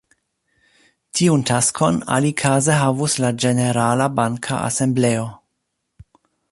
Tiun taskon alikaze havus la ĝenerala banka asembleo.